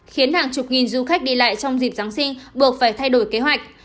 khiến hàng chục nghìn du khách đi lại trong dịp giáng sinh buộc phải thay đổi kế hoạch